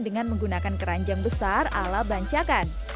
dengan menggunakan keranjang besar ala bancakan